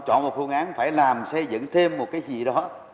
chọn một phương án phải làm xây dựng thêm một cái gì đó